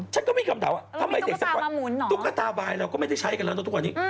แล้วมีตุ๊กตามาหมุนเหรอตุ๊กตาบายเราก็ไม่ได้ใช้กันแล้วตอนนี้